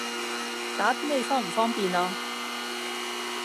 打畀你方唔方便啊？